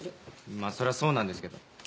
まあそりゃそうなんですけど。